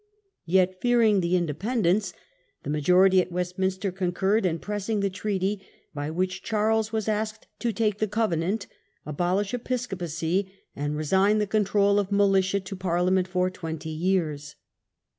Yet, fearing the Inde pendents, the majority at Westminster concurred in pressing the treaty, by which Charles was asked to take the Covenant, abolish Episcopacy, and resign the control of militia to Parliament for twenty years.